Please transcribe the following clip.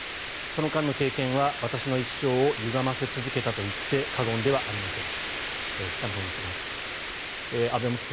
その間の経験は私の一生をゆがませ続けたと言って過言ではありません。